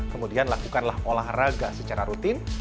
kemudian lakukanlah olahraga secara rutin